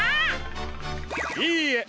いいえ。